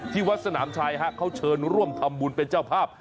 วัดสนามชัยเขาเชิญร่วมทำบุญเป็นเจ้าภาพ